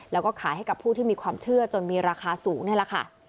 แล้วก็ขายให้กับผู้ที่มีความเชื่อจนมีราคาสูงนี่แหละค่ะ